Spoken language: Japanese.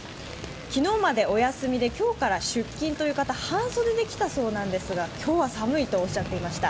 昨日までお休みで今日から出勤という方、半袖で来たそうですが、今日は寒いとおっしゃっていました。